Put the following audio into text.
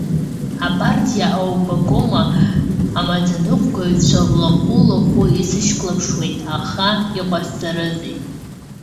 Апартиа аобкомаа амаӡаныҟәгаҩцәа лахә-лахәы исышьклаԥшуеит, аха иҟасҵарызеи?!